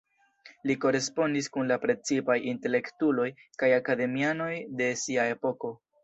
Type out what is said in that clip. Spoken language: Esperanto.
Li korespondis kun la precipaj intelektuloj kaj akademianoj de sia epoko.